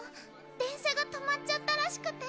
電車が止まっちゃったらしくて。